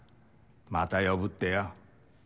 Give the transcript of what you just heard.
また呼ぶってよ。